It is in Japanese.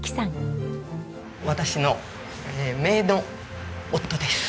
私のめいの夫です。